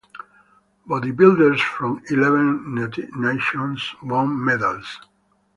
Bodybuilders from eleven nations won medals.